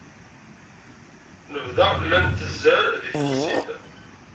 Nebda la ntezzer deg tfexsit.